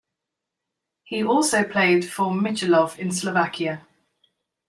He also played for Michalovce in Slovakia.